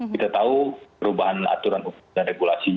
kita tahu perubahan aturan hukum dan regulasinya